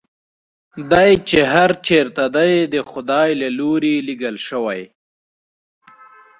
دی چې هر چېرته دی د خدای له لوري لېږل شوی.